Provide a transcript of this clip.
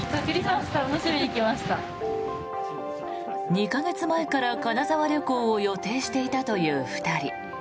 ２か月前から金沢旅行を予定していたという２人。